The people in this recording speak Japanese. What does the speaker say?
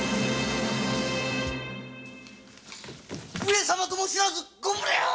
上様とも知らずご無礼を。